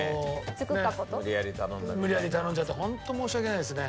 無理やり頼んじゃってホント申し訳ないですね。